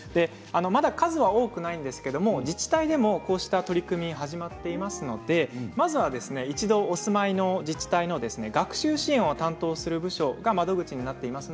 まだ数は多くないんですけれども自治体でもこうした取り組み始まっていますのでまずは一度お住まいの自治体の学習支援を担当する部署が窓口になっています。